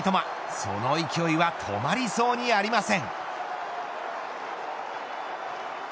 その勢いは止まりそうにありません。